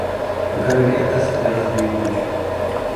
Perkara di atas adalah dirujuk.